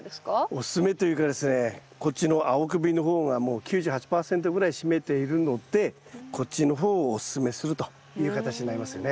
おすすめというかですねこっちの青首の方がもう９８％ぐらい占めているのでこっちの方をおすすめするという形になりますよね